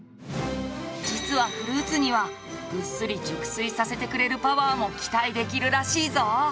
実はフルーツにはぐっすり熟睡させてくれるパワーも期待できるらしいぞ！